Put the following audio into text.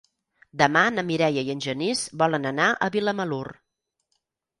Demà na Mireia i en Genís volen anar a Vilamalur.